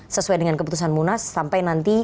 sesuai dengan keputusan munas sampai nanti